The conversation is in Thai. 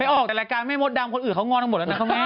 ไปออกแต่รายการไม่มดดำคนอื่นเขางอนออกหมดแล้วนะเขาไง